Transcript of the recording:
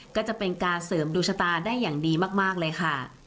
ก็จะเป็นการเสริมดวงชะตาได้อย่างดีมากเลยค่ะ